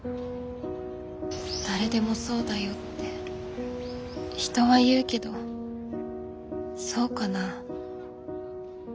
誰でもそうだよって人は言うけどそうかな？